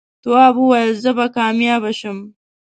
تواب وويل: زه به کامیابه شم.